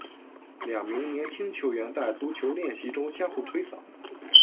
两名年轻球员在足球练习中相互推搡。